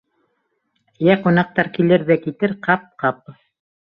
— Йә, ҡунаҡтар килер ҙә китер, ҡап, ҡап.